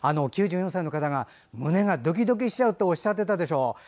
９４歳の方が胸がドキドキしちゃうとおっしゃってたでしょう。